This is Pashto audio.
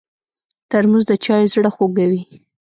ترموز د چایو زړه خوږوي.